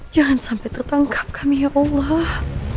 jangan sampai tertangkap kami ya allah